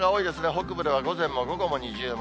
北部では午前も午後も二重丸。